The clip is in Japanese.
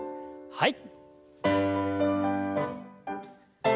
はい。